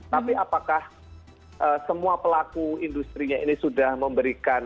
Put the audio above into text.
tapi apakah semua pelaku industri nya ini sudah memberikan